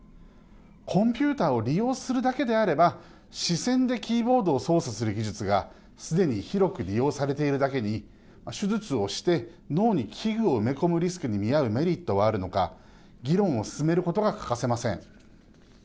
コンピューターを利用するだけであれば視線でキーボードを操作する技術がすでに広く利用されているだけに手術をして脳に器具を埋め込むリスクに見合うメリットはあるのか議論を進めることが欠かせません。